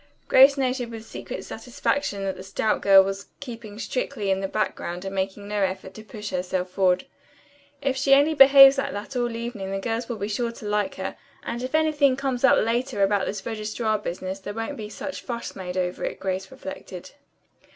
Grace noted with secret satisfaction that the stout girl was keeping strictly in the background and making no effort to push herself forward. "If she only behaves like that all evening the girls will be sure to like her, and if anything comes up later about this registrar business there won't be such fuss made over it," Grace reflected.